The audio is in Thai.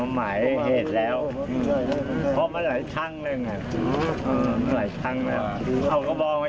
หลายงวดหลายครั้งแล้ว